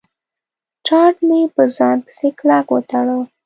ټاټ مې په ځان پسې کلک و تاړه.